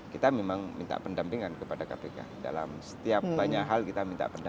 kita memang minta pendampingan kepada kpk dalam setiap banyak hal kita minta pendapat